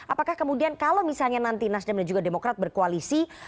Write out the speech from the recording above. apakah kemudian kalau misalnya nanti nasdem dan juga demokrat berkoalisi